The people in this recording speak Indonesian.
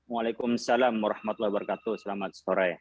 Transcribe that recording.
waalaikumsalam warahmatullahi wabarakatuh selamat sore